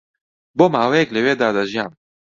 بۆ ماوەیەک لەوێدا دەژیان